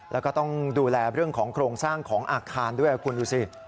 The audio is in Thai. แล้วก็ต้องดูแลเรื่องของโครงสร้างของอาคารด้วยคุณดูสิ